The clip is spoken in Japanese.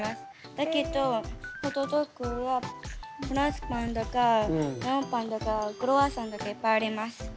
だけどホットドッグやフランスパンとかメロンパンとかクロワッサンとかいっぱいあります。